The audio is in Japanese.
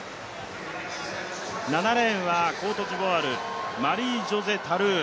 ７レーンはコートジボワールマリージョセ・タルー。